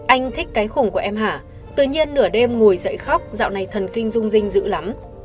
anh thích cái khủng của em hả tự nhiên nửa đêm ngồi dậy khóc dạo này thần kinh rung rinh dữ lắm